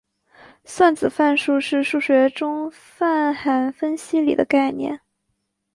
算子范数是数学中泛函分析里的概念。